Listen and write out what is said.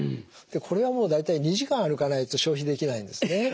これはもう大体２時間歩かないと消費できないんですね。